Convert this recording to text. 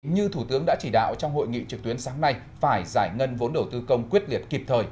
như thủ tướng đã chỉ đạo trong hội nghị trực tuyến sáng nay phải giải ngân vốn đầu tư công quyết liệt kịp thời